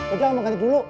udah mau ganti dulu